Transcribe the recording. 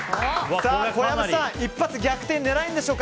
小籔さん、一発逆転が狙えるんでしょうか。